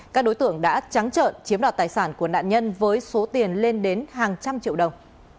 các đối tượng đã trắng trợn chiếm đoạt tài sản của nạn nhân với số tiền lên đến hàng trăm triệu đồng